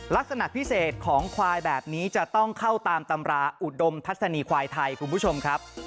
ลักษณะพิเศษของควายแบบนี้จะต้องเข้าตามตำราอุดมทัศนีควายไทยคุณผู้ชมครับ